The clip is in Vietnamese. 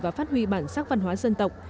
và phát huy bản sắc văn hóa dân tộc